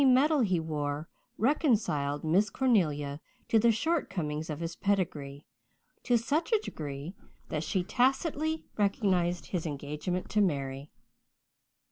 Medal he wore reconciled Miss Cornelia to the shortcomings of his pedigree to such a degree that she tacitly recognized his engagement to Mary.